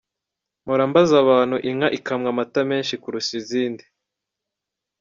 Mpora mbaza abantu inka ikamwa amata menshi kurusha izindi.